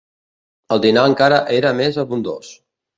El dinar encara era més abundós